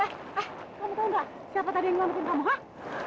eh eh kamu tahu gak siapa tadi yang ngelambutin kamu hah